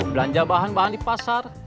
belanja bahan bahan di pasar